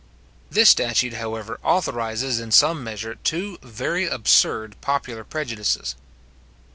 This statute, however, authorises in some measure two very absurd popular prejudices.